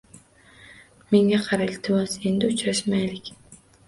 Menga qara, iltimos, endi uchrashmaylik